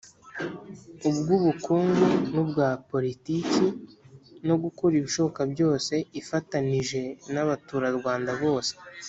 ubw'ubukungu n'ubwa politiki no gukora ibishoboka byose, ifatanije n'abaturarwanda bose,